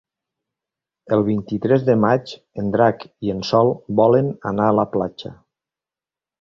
El vint-i-tres de maig en Drac i en Sol volen anar a la platja.